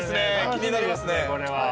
気になりますね